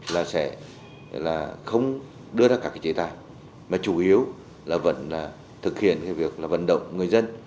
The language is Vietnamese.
là sẽ không đưa ra các chế tài mà chủ yếu là vẫn thực hiện cái việc vận động người dân